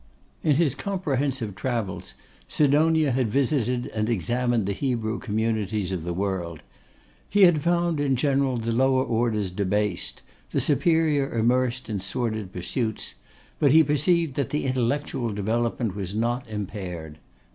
In his comprehensive travels, Sidonia had visited and examined the Hebrew communities of the world. He had found, in general, the lower orders debased; the superior immersed in sordid pursuits; but he perceived that the intellectual development was not impaired.